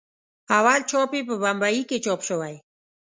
اول چاپ یې په بمبئي کې چاپ شوی.